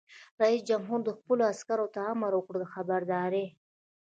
رئیس جمهور خپلو عسکرو ته امر وکړ؛ خبردار!